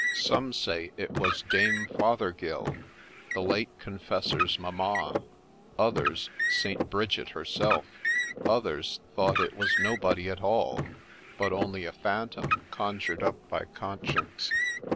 — Some say it was Dame Fothergill, the late confessor's mamma ; others, St. Bridget herself ; others thought it was nobody at all, but only a phantom conjured up by conscience.